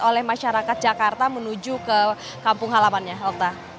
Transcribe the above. oleh masyarakat jakarta menuju ke kampung halamannya alta